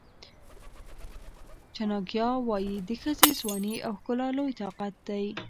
چناکیا وایي د ښځې ځواني او ښکلا لوی طاقت دی.